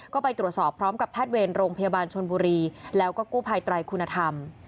ก็ไปตรวจสอบพร้อมกับแพทย์เวรโรงพยาบาลชนบุรีแล้วก็กู้ภัยไตรคุณธรรม